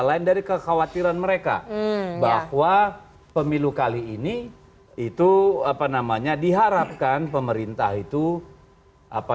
lain dari kekhawatiran mereka bahwa pemilu kali ini itu apa namanya diharapkan pemerintah itu apa